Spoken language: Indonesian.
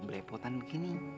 belepotan begini ya